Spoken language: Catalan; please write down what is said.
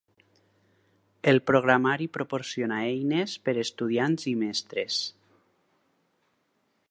El programari proporciona eines per estudiants i mestres.